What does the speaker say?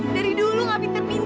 dari dulu nggak pinter pinter